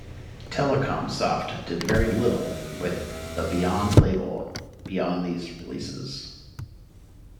Telecomsoft did very little with the Beyond label beyond these releases.